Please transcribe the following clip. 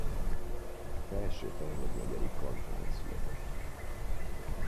A Felső-Fehér megyei Kantán született.